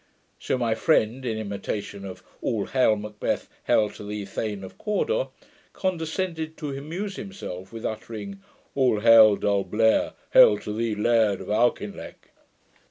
So my friend, in imitation of All hail Macbeth! hail to thee, Thane of Cawdor! condescended to amuse himself with uttering All hail Dalblair! hail to thee, Laird of Auchinleck!